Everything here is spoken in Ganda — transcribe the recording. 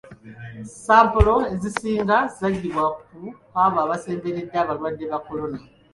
Sampolo ezisinga zaggyibwa ku abo abasemberedde abalwadde ba kolona.